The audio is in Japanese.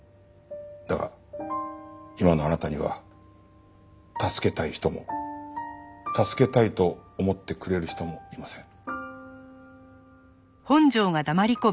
だが今のあなたには助けたい人も助けたいと思ってくれる人もいません。